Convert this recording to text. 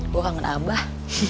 gue kangen abah